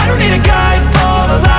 ibu ingin mencoba